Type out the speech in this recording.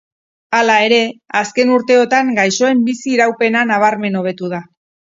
Hala ere, azken urteotan gaixoen bizi-iraupena nabarmen hobetu da.